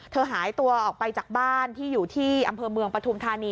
หายตัวออกไปจากบ้านที่อยู่ที่อำเภอเมืองปฐุมธานี